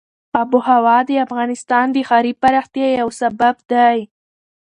آب وهوا د افغانستان د ښاري پراختیا یو سبب دی.